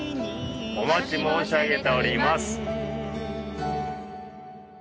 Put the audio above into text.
お待ち申し上げております。